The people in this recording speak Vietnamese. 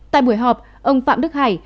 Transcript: tại buổi họp ông phạm đức hải